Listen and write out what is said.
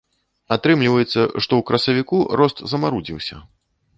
Атрымліваецца, што ў красавіку рост замарудзіўся.